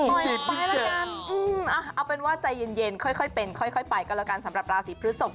ไปแล้วกันเอาเป็นว่าใจเย็นค่อยเป็นค่อยไปก็แล้วกันสำหรับราศีพฤศพ